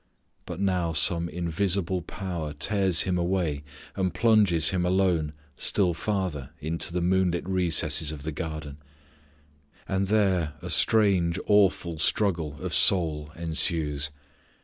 But now some invisible power tears him away and plunges Him alone still farther into the moonlit recesses of the garden; and there a strange, awful struggle of soul ensues.